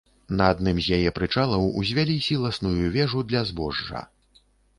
На адным з яе прычалаў узвялі сіласную вежу для збожжа.